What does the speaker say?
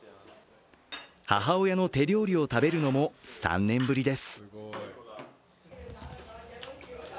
母親の手料理を食べるのも３年ぶりです。